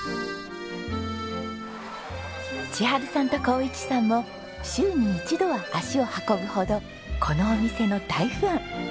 千春さんと紘一さんも週に一度は足を運ぶほどこのお店の大ファン。